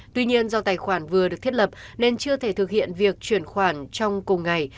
tuy nhiên do tài khoản vừa được thiết lập nên chưa thể thực hiện việc chuyển khoản trong cùng ngày